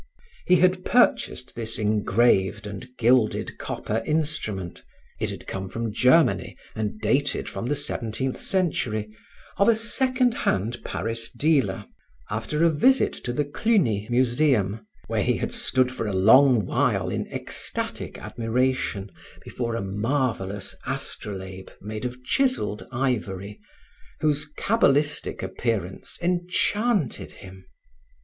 He had purchased this engraved and gilded copper instrument (it had come from Germany and dated from the seventeenth century) of a second hand Paris dealer, after a visit to the Cluny Museum, where he had stood for a long while in ecstatic admiration before a marvelous astrolabe made of chiseled ivory, whose cabalistic appearance enchanted him.